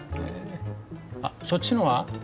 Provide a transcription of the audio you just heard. あっそっちのは？